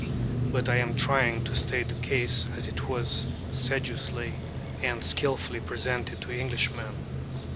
But I am trying to state the case as it was sedulously and skilfully presented to Englishmen.